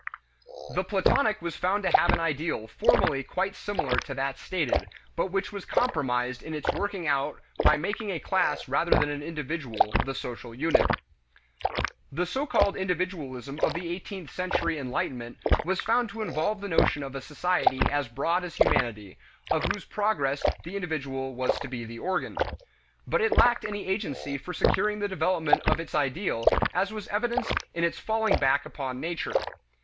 The Platonic was found to have an ideal formally quite similar to that stated, but which was compromised in its working out by making a class rather than an individual the social unit. The so called individualism of the eighteenth century enlightenment was found to involve the notion of a society as broad as humanity, of whose progress the individual was to be the organ. But it lacked any agency for securing the development of its ideal as was evidenced in its falling back upon Nature.